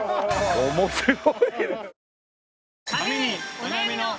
面白い。